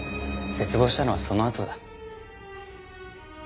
絶望したのはそのあとだ。